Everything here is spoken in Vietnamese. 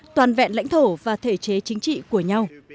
toàn vẹn lãnh thổ và thể chế chính trị của nhau